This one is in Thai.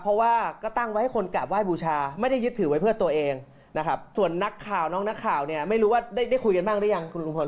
เพราะว่าก็ตั้งไว้ให้คนกราบไห้บูชาไม่ได้ยึดถือไว้เพื่อตัวเองนะครับส่วนนักข่าวน้องนักข่าวเนี่ยไม่รู้ว่าได้คุยกันบ้างหรือยังคุณลุงพล